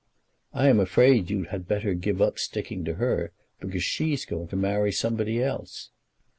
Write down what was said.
"I am afraid you had better give up sticking to her, because she's going to marry somebody else."